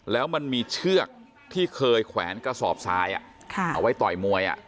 แล้วมันมีเชือกที่เคยแขวนกระสอบซ้ายเอาไว้ต่อยมวย